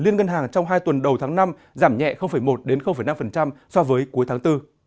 liên ngân hàng trong hai tuần đầu tháng năm giảm nhẹ một năm so với cuối tháng bốn